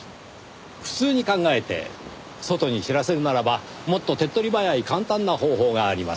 普通に考えて外に知らせるならばもっと手っ取り早い簡単な方法があります。